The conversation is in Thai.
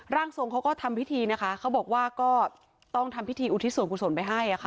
ร่างทรงเขาก็ทำพิธีนะคะเขาบอกว่าก็ต้องทำพิธีอุทิศส่วนกุศลไปให้ค่ะ